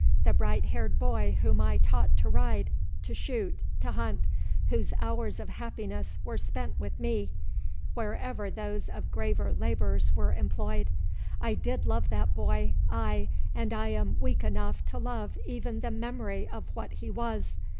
The bright haired boy whom I taught to ride, to shoot, to hunt—whose hours of happiness were spent with me, wherever those of graver labours were employed—I did love that boy—ay, and I am weak enough to love even the memory of what he was.